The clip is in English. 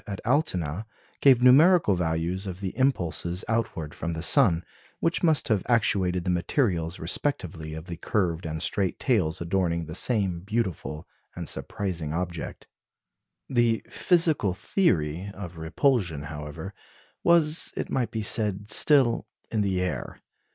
Pape at Altona gave numerical values for the impulses outward from the sun, which must have actuated the materials respectively of the curved and straight tails adorning the same beautiful and surprising object. The physical theory of repulsion, however, was, it might be said, still in the air.